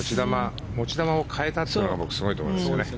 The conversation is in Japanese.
持ち球を変えたというのがすごいと思います。